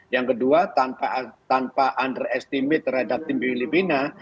yang kedua tanpa underestimate terhadap tim filipina